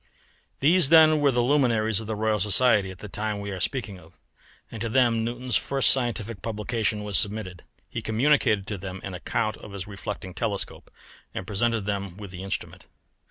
These then were the luminaries of the Royal Society at the time we are speaking of, and to them Newton's first scientific publication was submitted. He communicated to them an account of his reflecting telescope, and presented them with the instrument.